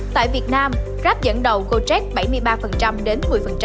tại việt nam grab dẫn đầu gojet bảy mươi ba đến một mươi